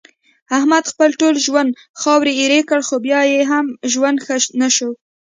احمد خپل ټول ژوند خاورې ایرې کړ، خو بیا یې هم ژوند ښه نشو.